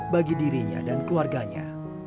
bagi dirinya dan keluarganya